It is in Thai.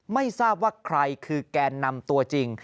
ไม่ทราบว่าใครคือแกนนำตัวจริง